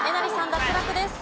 脱落です。